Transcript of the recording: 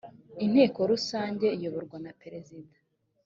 inteko rusange iyoborwa na perezida